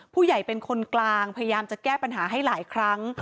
เป็นคนกลางพยายามจะแก้ปัญหาให้หลายครั้ง